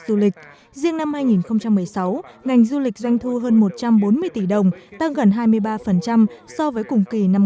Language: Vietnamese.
riêng riêng năm hai nghìn một mươi sáu ngành du lịch doanh thu hơn một trăm bốn mươi tỷ đồng tăng gần hai mươi ba so với cùng kỳ năm